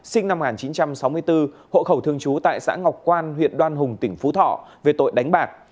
sinh năm một nghìn chín trăm sáu mươi bốn hộ khẩu thương chú tại xã ngọc quan huyện đoan hùng tỉnh phú thọ về tội đánh bạc